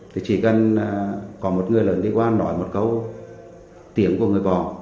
thì chỉ cần có một người lớn đi qua nói một câu tiếng của người vợ